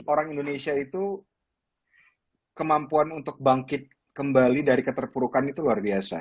orang indonesia itu kemampuan untuk bangkit kembali dari keterpurukan itu luar biasa